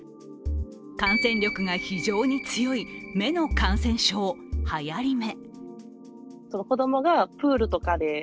感染力が非常に強い目の感染症、はやり目。